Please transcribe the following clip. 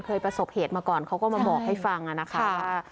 ประสบเหตุมาก่อนเขาก็มาบอกให้ฟังนะคะว่า